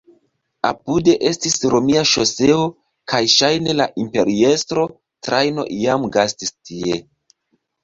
Apude estis romia ŝoseo kaj ŝajne la imperiestro Trajano iam gastis tie.